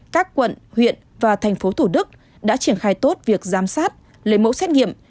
các quận huyện và thành phố thủ đức đã triển khai tốt việc giám sát lấy mẫu xét nghiệm